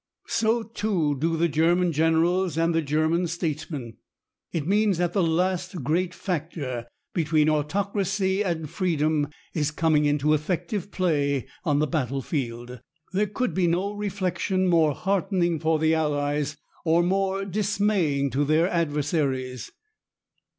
So, too, do the German generals and the German statesmen. It means that the last great factor between autocracy and freedom is coming into effective play on the battle field.... There could be no reflection more heartening for the Allies or more dismaying to their adversaries."